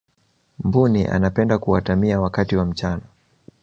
mbuni anapenda kuatamia wakati wa mchana